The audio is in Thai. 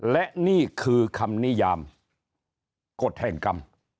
และนี่คือคำนิยามกฎแห่งกรรม